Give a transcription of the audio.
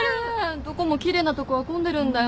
どこも奇麗なとこは混んでるんだよね